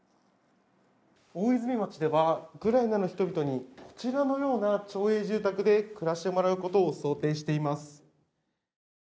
大泉町ではウクライナの人々にこちらのような町営住宅で暮らしてもらうことを想定しています。